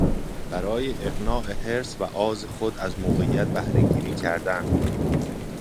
برای اقناع حرص و آز خود از موقعیت بهرهگیری کردن